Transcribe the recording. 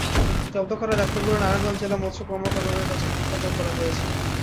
জব্দ করা জাটকাগুলো নারায়ণগঞ্জ জেলা মৎস্য কর্মকর্তার কাছে হস্তান্তর করা হয়েছে।